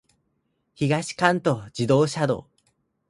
東関東自動車道